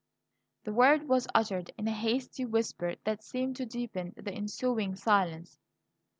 The word was uttered in a hasty whisper that seemed to deepen the ensuing silence.